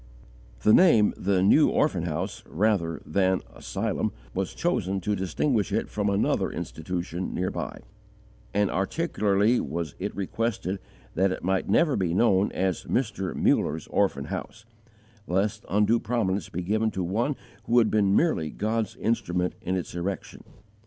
The name "The New Orphan House" rather than "Asylum" was chosen to distinguish it from another institution, near by; and particularly was it requested that it might never be known as "Mr. Muller's Orphan House," lest undue prominence be given to one who had been merely God's instrument in its erection.